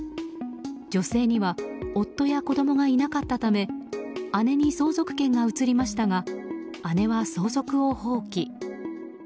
女性には夫や子供がいなかったため姉に相続権が移りましたが姉は相続を放棄。